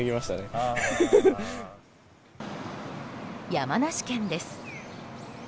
山梨県です。